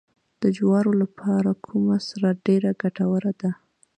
د جوارو لپاره کومه سره ډیره ګټوره ده؟